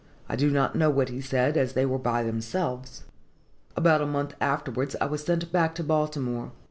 I do not know what he said, as they were by themselves. About a month afterwards, I was sent back to Baltimore.